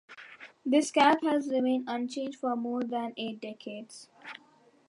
This cap has remained unchanged for more than eight decades.